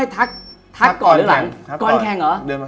ทักก่อนแคง